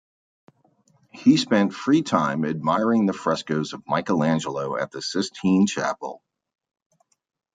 He spent free time admiring the frescoes of Michelangelo at the Sistine Chapel.